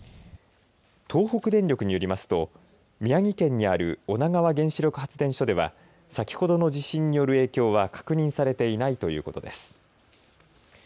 東北電力によりますと宮城県にある女川原子力発電所では先ほどの地震による影響は確認されていないということです。